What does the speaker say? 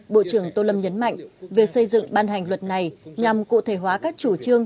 bộ trưởng tô lâm nhấn mạnh việc xây dựng ban hành luật này nhằm cụ thể hóa các chủ trương